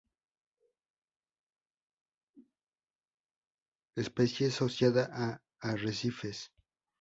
Especie asociada a arrecifes.